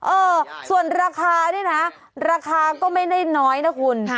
เออส่วนราคานี่นะราคาก็ไม่ได้น้อยนะคุณ